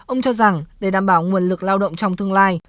ông cho rằng để đảm bảo nguồn lực lao động trong tương lai